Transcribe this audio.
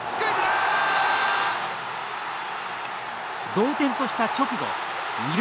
同点とした直後二塁